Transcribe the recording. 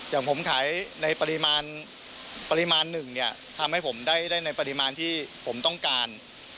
อย่างผมขายในปริมาณปริมาณหนึ่งเนี่ยทำให้ผมได้ในปริมาณที่ผมต้องการ